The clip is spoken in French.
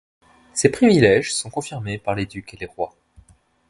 Ces privilèges sont confirmés par les ducs et les rois.